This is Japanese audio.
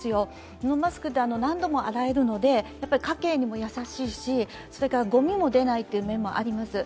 布マスクって何度も洗えるので、家計にも優しいしごみも出ないという面もあります。